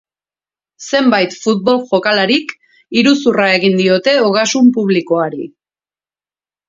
Zenbait futbol jokalarik iruzurra egin diote ogasun publikoari.